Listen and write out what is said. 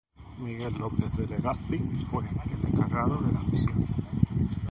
Miguel López de Legazpi fue el encargado de la misión.